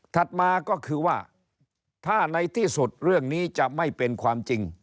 มาก็คือว่าถ้าในที่สุดเรื่องนี้จะไม่เป็นความจริง